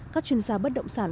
các chuyên gia bất động sản